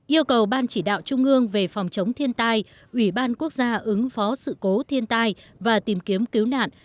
yêu cầu ban chỉ đạo trung ương về phòng chống thiên tai ủy ban quốc gia ứng phó sự cố thiên tai và tìm kiếm cứu nạn